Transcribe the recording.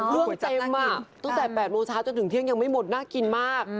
เรื่องเต็มตั้งแต่๘โมงเช้าจนถึงเที่ยงยังไม่หมดน่ากินมาก